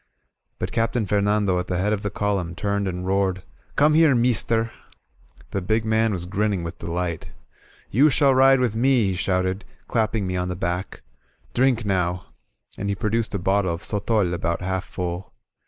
'' But Captain Fernando at the head of the column turned and roared: "Come here, meester!'' The big man was grinning with delight. "You shall ride with me," he shouted, clapping me on the back. ^^Drink, now," and he produced a bottle of sotol about half full.